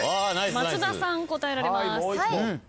松田さん答えられます。